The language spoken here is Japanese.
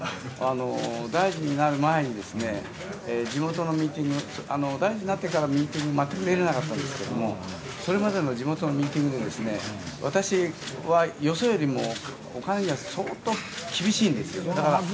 大臣になる前に、地元のミーティング、大臣になってからミーティング全く出られなかったんだけどそれまでの地元のミーティングには私はよそよりもお金には相当厳しいんですよ。